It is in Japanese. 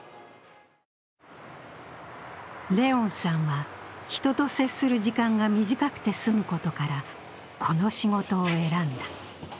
怜音さんは人と接する時間が短くて済むことからこの仕事を選んだ。